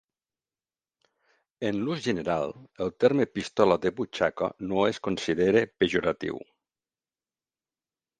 En l'ús general, el terme pistola de butxaca no es considera pejoratiu.